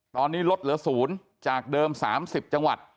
ตอนนี้ลดเหลือ๐จากเดิม๓๐จังหวัด